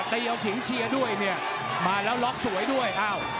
ตีเอาสิงเชียวด้วยมาแล้วล็อกสวยด้วย